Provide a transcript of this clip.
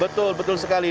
betul betul sekali